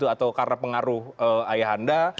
atau karena pengaruh ayah anda